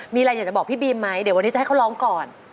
มีอะไรอยากจะบอกพี่บีมไหมเดี๋ยววันนี้จะให้เขาร้องก่อน